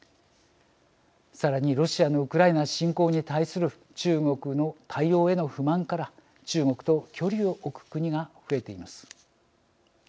さらにロシアのウクライナ侵攻に対する中国の対応への不満から中国と距離を置く国が増えています。